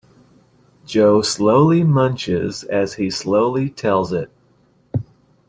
Jo slowly munches as he slowly tells it.